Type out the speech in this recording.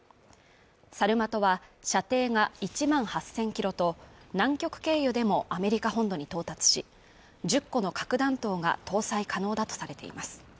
サルマトは射程が１万８０００キロと南極経由でもアメリカ本土に到達し１０個の核弾頭が搭載可能だとされています